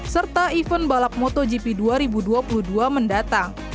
serta event balap motogp dua ribu dua puluh dua mendatang